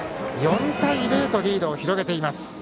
４対０とリードを広げています。